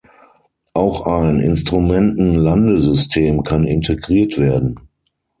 Auch ein Instrumentenlandesystem kann integriert werden.